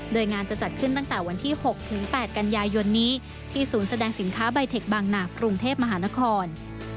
โดยงานจะจัดขึ้นตั้งแต่วันที่๖๘กันยายนนี้ที่ศูนย์แสดงสินค้าใบเทคบางหนักกรุงเทพมหานคร